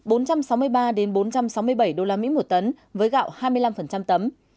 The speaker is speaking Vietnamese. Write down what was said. bốn trăm sáu mươi ba bốn trăm sáu mươi bảy usd một tấn với gạo hai mươi năm tấm